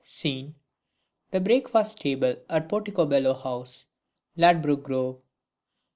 Scene: the breakfast table at Porticobello House, Ladbroke Grove.